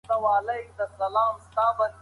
تاسي ته اجازه نشته چې په میدان کې کښېنئ.